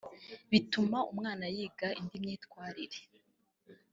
bituma umwana yiga indi myitwarire